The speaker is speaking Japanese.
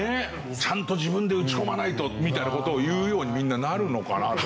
「ちゃんと自分で打ち込まないと」みたいな事をいうようにみんななるのかなと。